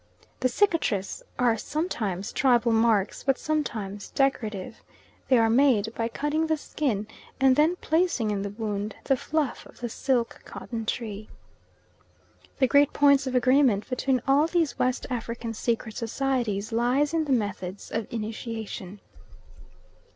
The cicatrices are sometimes tribal marks, but sometimes decorative. They are made by cutting the skin and then placing in the wound the fluff of the silk cotton tree. The great point of agreement between all these West African secret societies lies in the methods of initiation.